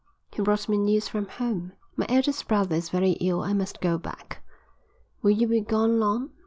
"He brought me news from home. My eldest brother is very ill and I must go back." "Will you be gone long?"